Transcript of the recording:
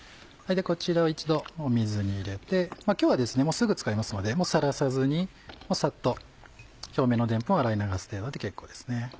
こちらを一度水に入れて今日はもうすぐ使いますのでさらさずにさっと表面のでんぷんを洗い流す程度で結構ですね。